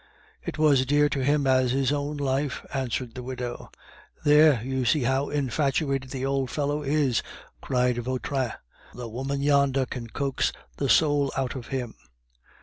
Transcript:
"It was dear to him as his own life," answered the widow. "There! you see how infatuated the old fellow is!" cried Vautrin. "The woman yonder can coax the soul out of him."